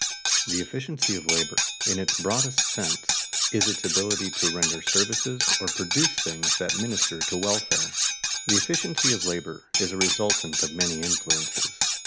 _The efficiency of labor, in its broadest sense, is its ability to render services or produce things that minister to welfare._ The efficiency of labor is a resultant of many influences.